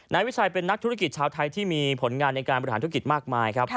นายวิชัยเป็นนักธุรกิจชาวไทยที่มีผลงานในการบริหารธุรกิจมากมายครับ